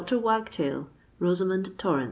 DR. WAGTAIL.—ROSAMOND TORRENS.